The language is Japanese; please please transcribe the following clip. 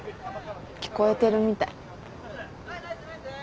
聞こえてるみたい。